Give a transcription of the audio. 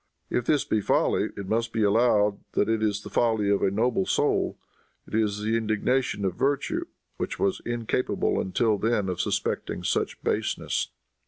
If this be a folly, it must be allowed that it is the folly of a noble soul. It is the indignation of virtue, which was incapable until then of suspecting such baseness.